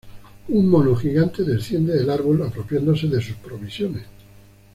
Un mono gigante desciende del árbol apropiándose de sus provisiones.